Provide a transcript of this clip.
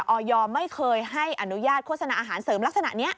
ออยไม่เคยให้อนุญาตโฆษณาอาหารเสริมลักษณะนี้